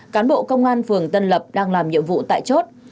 cán bộ công an phường tân lập đang làm nhiệm vụ tại chốt